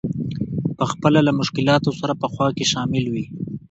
په خپله له مشکلاتو سره په خوا کې شامل وي.